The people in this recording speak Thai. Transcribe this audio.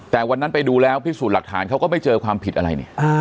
แต่วันนั้นไปดูแล้วพิสูจน์หลักฐานเขาก็ไม่เจอความผิดอะไรนี่